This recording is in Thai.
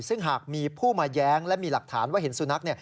ซึ่งหากมีผู้มาแย้งและมีหลักฐานว่าเห็นสุนัข